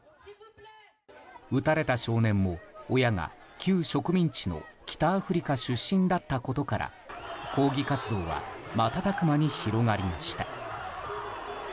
撃たれた少年も、親が旧植民地の北アフリカ出身だったことから抗議活動は瞬く間に広がりました。